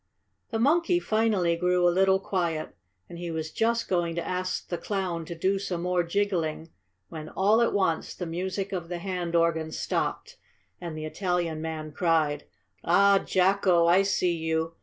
The monkey finally grew a little quiet, and he was just going to ask the Clown to do some more jiggling when, all at once, the music of the hand organ stopped, and the Italian man cried: "Ah, Jacko! I see you!